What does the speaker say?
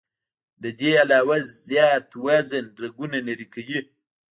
د دې نه علاوه زيات وزن رګونه نري کوي